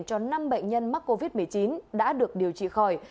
cho năm bệnh nhân mắc covid một mươi chín đã được điều trị khỏi